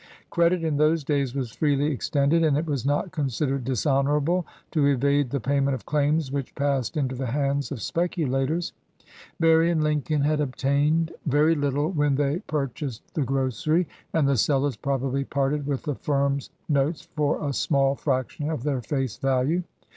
Credit in those days was freely extended, and it was not considered dishonorable to evade the payment of claims which passed into the hands of speculators. Berry & Lincoln had obtained very little when they purchased the grocery, and the sellers probably parted with the firm's notes for a small fraction of their face value.